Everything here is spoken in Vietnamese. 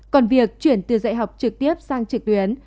còn việc chuyển từ dạy học trực tiếp sang trực tuyến